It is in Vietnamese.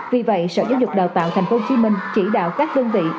vì vậy sở giáo dục đào tạo tp hcm chỉ đạo các đơn vị